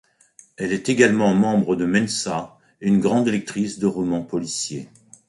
Elle est également membre de Mensa et une grande lectrice de romans policiers.